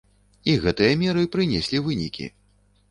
І гэтыя меры прынеслі вынікі.